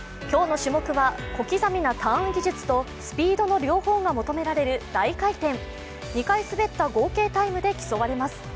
今日の種目は小刻みなターン技術とスピードの両方が求められる大回転２回滑った合計タイムで競われます